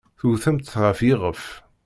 Tewtemt-t ɣer yiɣef.